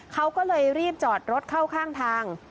เขาก็เลยรีบจอดรถเข้าข้างทาง